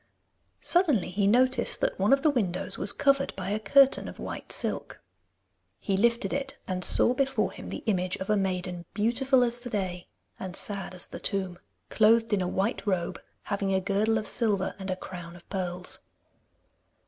Suddenly he noticed that one of the windows was covered by a curtain of white silk. He lifted it, and saw before him the image of a maiden beautiful as the day and sad as the tomb, clothed in a white robe, having a girdle of silver and a crown of pearls.